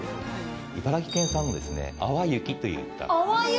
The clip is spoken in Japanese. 茨城県産のですね淡雪といった淡雪！？